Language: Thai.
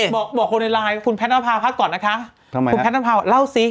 บอกบอกคนในไลน์คุณแพทย์หน้าพาพักก่อนนะคะทำไมล่ะล่าวซิ